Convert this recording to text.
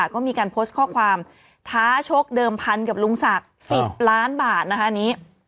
ก็มีการโพสต์ข้อความท้าชกเดิมพันกับลุงศักดิ์๑๐ล้านบาทนะคะอันนี้